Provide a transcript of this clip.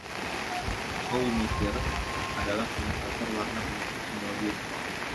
Howie Meeker adalah komentator warna untuk semua game.